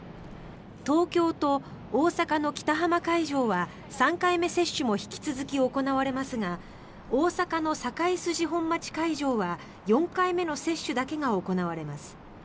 東京と大阪の北浜会場は３回目接種も引き続き行われますが大阪の堺筋本町会場は４回目の接種だけが行われます。